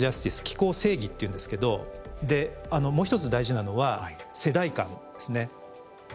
「気候正義」っていうんですけどもう一つ大事なのは世代間ですね。